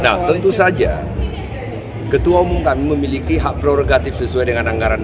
nah tentu saja ketua umum kami memiliki hak prerogatif sesuai dengan anggaran